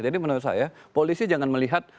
jadi menurut saya polisi jangan melihat